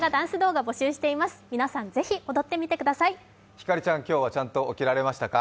ひかりちゃん、今日はちゃんと起きられましたか？